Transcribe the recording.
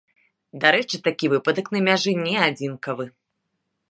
Дарэчы, такі выпадак на мяжы не адзінкавы.